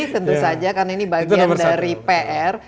tentu saja karena ini bagian dari pr